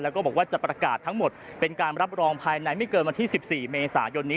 แล้วก็บอกว่าจะประกาศทั้งหมดเป็นการรับรองภายในไม่เกินวันที่๑๔เมษายนนี้